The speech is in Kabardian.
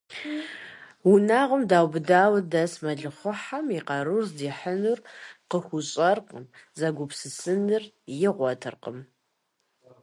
Унагъуэм дэубыдауэ дэс мэлыхъуэхьэм и къарур здихьынур къыхуэщӀэркъым, зэгупсысын игъуэтыркъым.